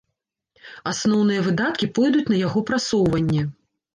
Асноўныя выдаткі пойдуць на яго прасоўванне.